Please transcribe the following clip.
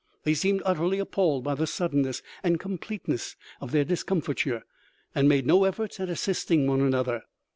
They seemed utterly appalled by the suddenness and completeness of their discomfiture, and made no efforts at assisting one another.